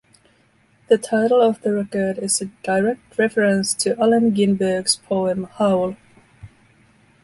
The title of the record is a direct reference to Allen Ginsberg's poem "Howl".